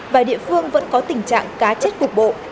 và địa phương vẫn có tình trạng cá chết cục bộ